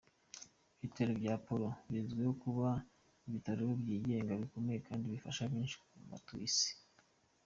Ibitaro bya Apollo bizwiho kuba ibitaro byigenga bikomeye kandi bifasha benshi mu batuye isi.